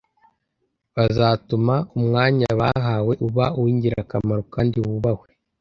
bazatuma umwanya bahawe uba uw’ingirakamaro kandi wubahwe.